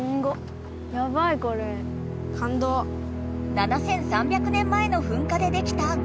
７，３００年前のふんかでできた崖。